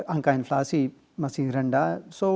angka inflasi masih rendah